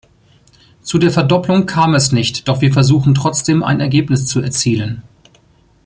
Zu der Verdopplung kam es nicht, doch wir versuchen trotzdem, ein Ergebnis zu erzielen.